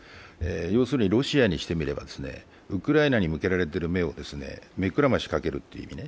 要するにロシアにしてみればウクライナに向けられている目を目くらましかけるというね。